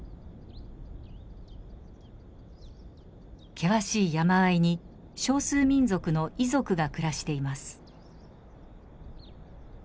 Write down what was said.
険しい山あいに少数民族のイ族が暮らしています。